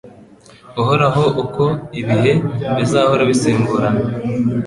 Uhoraho uko ibihe bizahora bisimburana